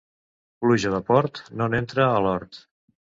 Pluja de port, no n'entra a l'hort.